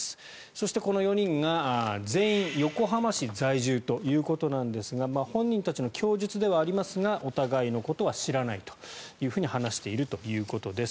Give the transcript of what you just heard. そしてこの４人が全員横浜市在住ということですが本人たちの供述ではありますがお互いのことは知らないと話しているということです。